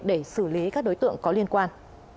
để xử lý các đối tượng có liên quan